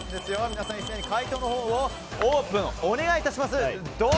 皆さん、一斉に回答のオープンお願いします。